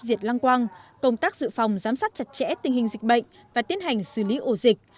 diệt lăng quang công tác dự phòng giám sát chặt chẽ tình hình dịch bệnh và tiến hành xử lý ổ dịch